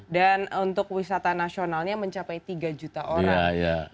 dan untuk wisata nasionalnya mencapai tiga juta orang